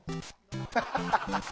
ハハハハ！